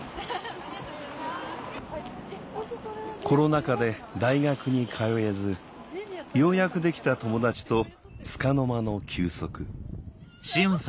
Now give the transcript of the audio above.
コロナ禍で大学に通えずようやくできた友達とつかの間の休息